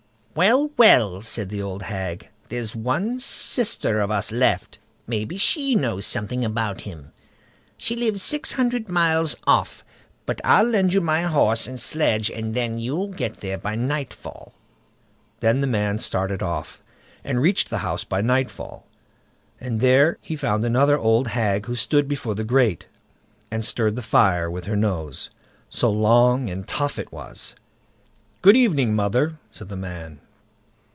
"Well, well!" said the old hag, "there's one sister of us left; maybe she knows something about him. She lives six hundred miles off, but I'll lend you my horse and sledge, and then you'll get there by nightfall." Then the man started off, and reached the house by nightfall, and there he found another old hag who stood before the grate, and stirred the fire with her nose, so long and tough it was. "Good evening, mother!" said the man.